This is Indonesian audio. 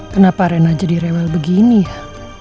kenapa rena jadi rewel begini ya